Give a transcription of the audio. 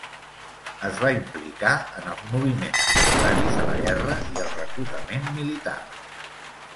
Es va implicar en els moviments contraris a la guerra i al reclutament militar.